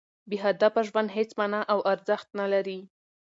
بې هدفه ژوند هېڅ مانا او ارزښت نه لري.